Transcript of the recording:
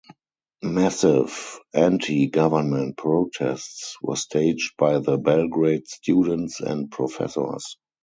Massive anti-government protests were staged by the Belgrade students and professors.